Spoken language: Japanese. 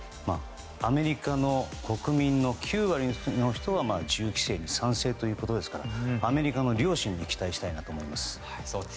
アメリカの国民の９割の人は銃規制に賛成ということですからアメリカの良心に期待したいと思います。